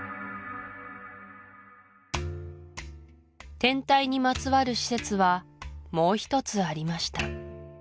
天体にまつわる施設はもうひとつありました